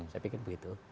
saya pikir begitu